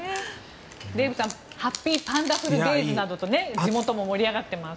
デーブさんハッピーパンダフルデイズなどと地元も盛り上がっています。